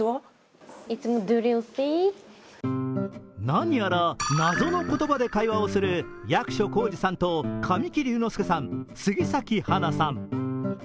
何やら謎の言葉で会話をする役所広司さんと神木隆之介さん、杉咲花さん。